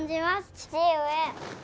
父上。